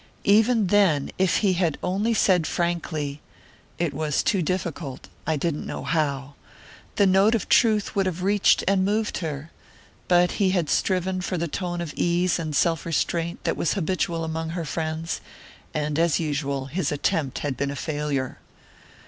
Even then, if he had only said frankly: "It was too difficult I didn't know how," the note of truth would have reached and moved her; but he had striven for the tone of ease and self restraint that was habitual among her friends, and as usual his attempt had been a failure.